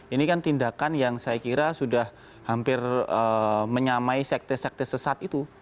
ini kan tindakan yang saya kira sudah hampir menyamai sekte sekte sesat itu